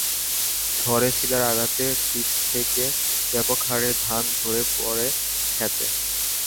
ঝড়ে শিলার আঘাতে শিষ থেকে ব্যাপক হারে ধান ঝরে পড়ে খেতে।